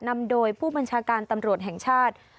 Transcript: นำโดยผู้บัญชาการตำรวจแห่งชาติ